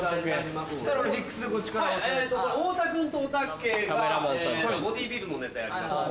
太田君とおたけがボディビルのネタやります。